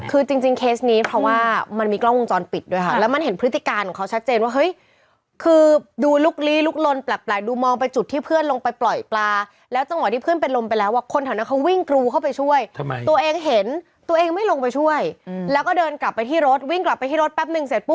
คือจริงเคสนี้เพราะว่ามันมีกล้องวงจรปิดด้วยค่ะแล้วมันเห็นพฤติการของเค้าชัดเจนว่าเฮ้ย